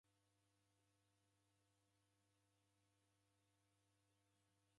Ndew'imerie kazi kwa ngelo ifwane.